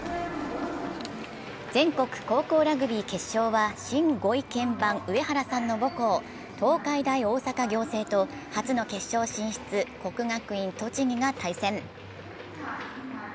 全国高校ラグビー決勝は新ご意見番、上原さんの母校、東海大大阪仰星と初の決勝進出、国学院栃木が対戦。